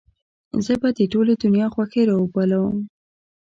زه به د ټولې دنيا خوښۍ راوبولم.